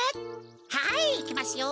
はいいきますよ！